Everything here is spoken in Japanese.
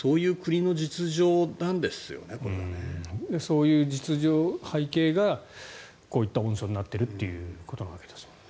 そういう実情、背景がこういった温床になっているということですね。